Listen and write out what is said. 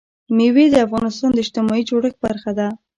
مېوې د افغانستان د اجتماعي جوړښت برخه ده.